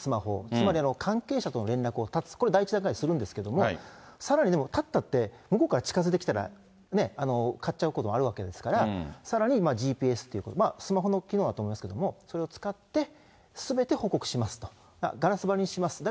つまり、関係者との連絡を絶つ、これ第一段階でするんですけれども、さらにでも、絶ったって、向こうから近づいてきたら、買っちゃうこともあるわけですから、さらにＧＰＳということでまあスマホの機能だと思いますけど、それを使って、すべて報告しますと、ガラス張りにします。